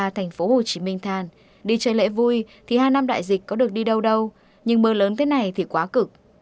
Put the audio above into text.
thành phố hồ chí minh than đi chơi lễ vui thì hai năm đại dịch có được đi đâu đâu nhưng mưa lớn thế này thì quá cực